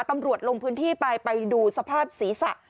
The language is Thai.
ลงพื้นที่ไปไปดูสภาพศีรษะ